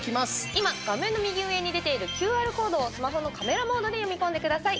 今、画面の右上に出ているＱＲコードをスマホのカメラモードで読み込んでください。